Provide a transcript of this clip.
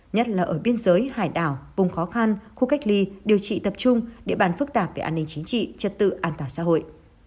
nhất là ở biên giới hải đảo vùng khó khăn khu cách ly điều trị tập trung địa bàn phức tạp về an ninh chính trị trật tự an toàn xã hội